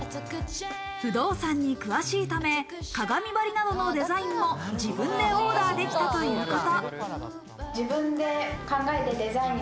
不動産に詳しいため鏡張りなどのデザインも自分でオーダーできたということ。